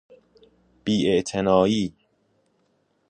بی اعتنایی